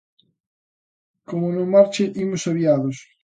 Como non marche imos aviados